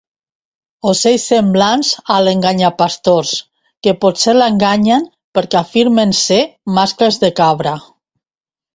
Ocells semblants a l'enganyapastors que potser l'enganyen perquè afirmen ser mascles de cabra.